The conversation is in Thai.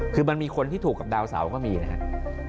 คือมันมีคนที่ถูกกับดาวเสาร์ก็มีนะครับ